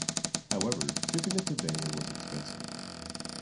However, shipping it to Bangor was expensive.